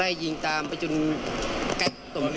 ไล่หยิงตามไปจนไกลจนต่ำอนอะ